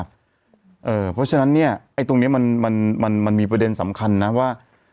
เพราะฉะนั้นเนี่ยไอ้ตรงนี้มันมีประเด็นสำคัญนะว่า